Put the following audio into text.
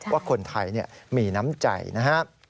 ว่าคนไทยมีน้ำใจนะครับ